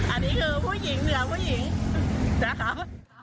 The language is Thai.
อันนี้คือผู้หญิงเหลือผู้หญิงนะคะ